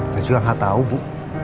saya juga gak tau bu